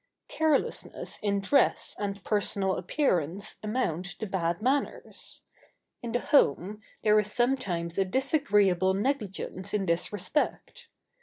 Carelessness in dress and personal appearance amount to bad manners. In the home there is sometimes a disagreeable negligence in this respect.